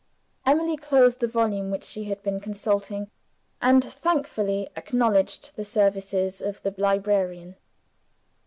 ........ Emily closed the volume which she had been consulting, and thankfully acknowledged the services of the librarian.